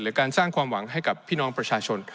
การสร้างความหวังให้กับพี่น้องประชาชน